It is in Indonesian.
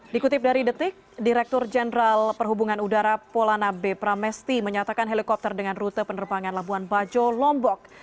dikutip dari detik direktur jenderal perhubungan udara polana b pramesti menyatakan helikopter dengan rute penerbangan labuan bajo lombok